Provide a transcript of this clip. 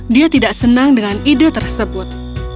dia tidak senang dengan ide tersebut